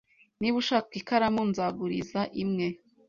Niba ushaka ikaramu, nzaguriza imwe.